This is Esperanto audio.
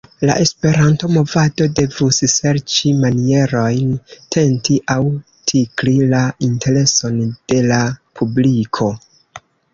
La Esperanto-movado devus serĉi manierojn tenti aŭ tikli la intereson de la publiko.